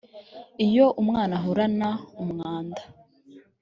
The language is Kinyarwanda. iyo umwana ahorana umwanda